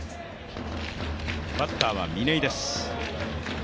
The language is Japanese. バッターは嶺井です。